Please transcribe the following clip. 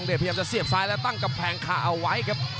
สวบความเสียใจเตรียมซีบซ้ายและตั้งกำแพงขาเอาไว้ครับ